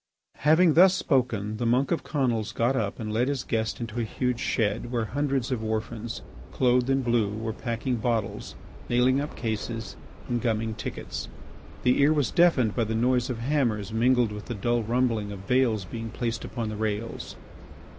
Having thus spoken, the monk of Conils got up and led his guest into a huge shed where hundreds of orphans clothed in blue were packing bottles, nailing up cases, and gumming tickets. The ear was deafened by the noise of hammers mingled with the dull rumbling of bales being placed upon the rails.